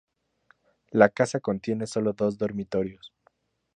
La casa contiene sólo dos dormitorios.